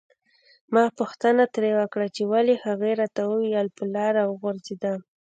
ما پوښتنه ترې وکړه چې ولې هغې راته وویل په لاره وغورځیدم.